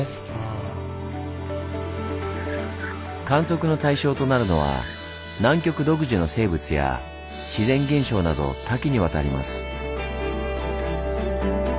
観測の対象となるのは南極独自の生物や自然現象など多岐にわたります。